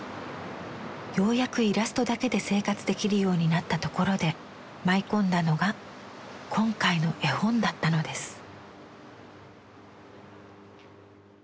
ようやくイラストだけで生活できるようになったところで舞い込んだのが今回の絵本だったのです。